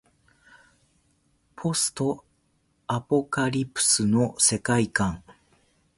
ポストアポカリプスの世界観